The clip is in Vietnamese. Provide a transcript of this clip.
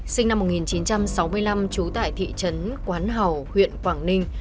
sinh năm một nghìn chín trăm sáu mươi năm trú tại thị trấn quán hào huyện quảng ninh